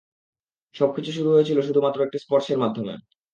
সবকিছু শুরু হয়েছিল শুধুমাত্র একটি স্পর্শের মাধ্যমে।